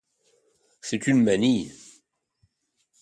C’est une manie.